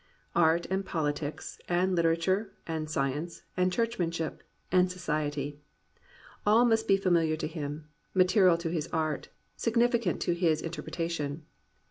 Art and politics and literature and science and churchmanship and society, — all must be fa miliar to him, material to his art, significant to his interpretation.